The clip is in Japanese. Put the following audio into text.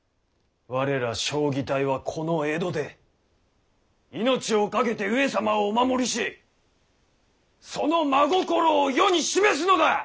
我ら彰義隊はこの江戸で命をかけて上様をお守りしその真心を世に示すのだ！